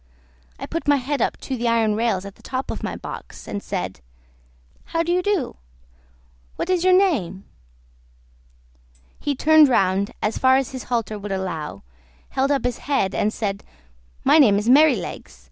I put my head up to the iron rails at the top of my box, and said, "How do you do? What is your name?" He turned round as far as his halter would allow, held up his head, and said, "My name is Merrylegs.